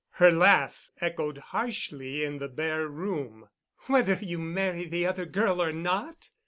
Her laugh echoed harshly in the bare room. "Whether you marry the other girl or not?"